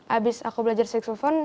abis aku belajar saksepon